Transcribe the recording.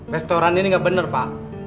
restoran ini gak bener pak